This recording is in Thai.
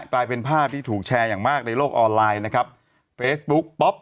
กลายเป็นภาพที่ถูกแชร์อย่างมากในโลกออนไลน์นะครับเฟซบุ๊กป๊อป